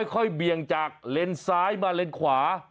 ค่อยเบียงจากเลนสายมาเลนขวา